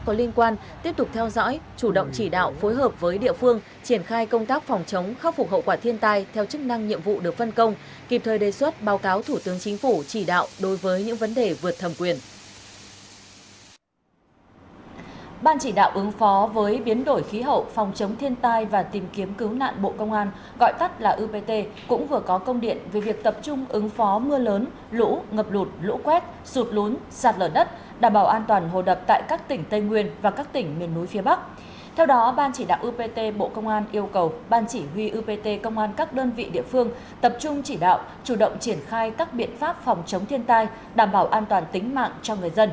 chủ tịch ubnd tỉnh chịu trách nhiệm trước thủ tịch ubnd tỉnh chịu trách nhiệm trước thủ tịch ubnd tỉnh chịu trách nhiệm trước thủ tịch ubnd tỉnh chịu trách nhiệm trước thủ tịch ubnd tỉnh chịu trách nhiệm trước thủ tịch ubnd tỉnh chịu trách nhiệm trước thủ tịch ubnd tỉnh chịu trách nhiệm trước thủ tịch ubnd tỉnh chịu trách nhiệm trước thủ tịch ubnd tỉnh chịu trách nhiệm trước thủ tịch ubnd tỉnh chịu trách nhiệm trước thủ tịch ubnd tỉnh chịu trách nhiệm trước thủ tịch ubnd tỉnh chịu trách nhiệm trước thủ tịch u